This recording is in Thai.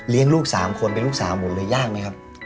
เรียนลูกสามคนเป็นลูกสาวหมดเลยยากไหมครับ